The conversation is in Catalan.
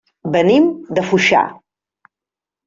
Venim de Foixà.